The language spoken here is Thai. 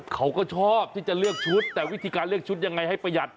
เขาก็ชอบที่จะเลือกชุดแต่วิธีการเลือกชุดยังไงให้ประหยัด